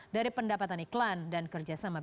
dari pendapatan iklan dan kerja semasa